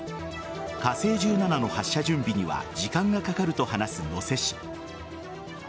火星１７の発射準備には時間がかかると話す能勢氏。